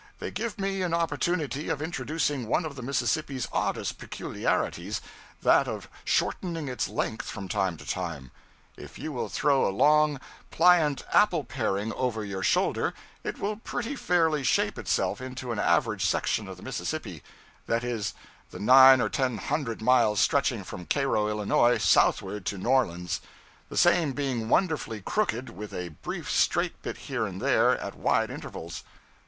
They give me an opportunity of introducing one of the Mississippi's oddest peculiarities, that of shortening its length from time to time. If you will throw a long, pliant apple paring over your shoulder, it will pretty fairly shape itself into an average section of the Mississippi River; that is, the nine or ten hundred miles stretching from Cairo, Illinois, southward to New Orleans, the same being wonderfully crooked, with a brief straight bit here and there at wide intervals.